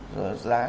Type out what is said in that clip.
rồi giá nông sản